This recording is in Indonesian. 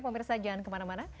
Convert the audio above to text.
pemirsa jangan kemana mana